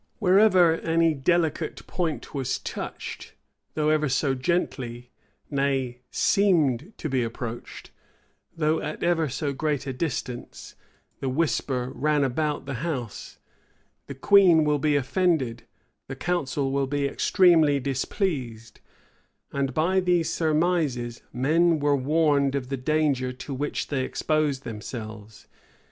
Wherever any delicate point was touched, though ever so gently; nay, seemed to be approached, though at ever so great a distance; the whisper ran about the house, "The queen will be offended; the council will be extremely displeased:" and by these surmises men were warned of the danger to which they exposed themselves.